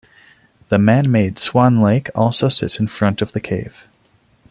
The manmade Swan Lake also sits in front of the cave.